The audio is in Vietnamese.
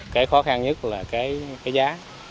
cái khó khăn nhất là cái giá